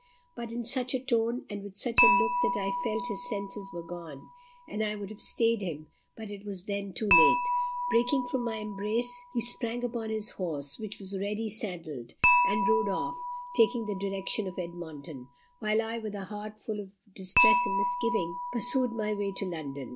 but in such a tone, and with such a look, that I felt his senses were gone, and I would have stayed him, but it was then too late. Breaking from my embrace, he sprang upon his horse, which was ready saddled, and rode off, taking the direction of Edmonton; while I, with a heart full of distress and misgiving, pursued my way to London.